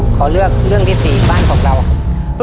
ขอเลือกเรื่องที่๔บ้านของเราครับ